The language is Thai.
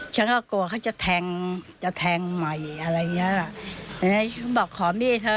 ฉันก็กลัวเขาจะแทงจะแทงใหม่อะไรอย่างเงี้ยอันนี้เขาบอกขอมีดเถอ